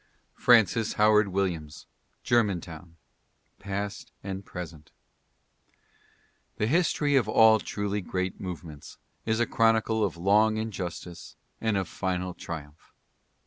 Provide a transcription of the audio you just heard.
FRANCIS HOWARD WILLIAMS: Germantown. PAST AND PRESENT. The history of all truly great movements is a chronicle of long injustice and of final triumph.